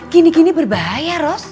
gini gini berbahaya ros